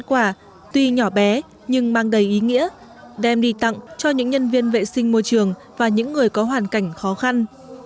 quả tuy nhỏ bé nhưng mang đầy ý nghĩa đem đi tặng cho những nhân viên vệ sinh môi trường và những người có hoàn cảnh khó khăn